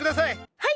はい！